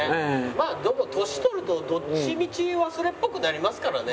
まあでも年取るとどっちみち忘れっぽくなりますからね。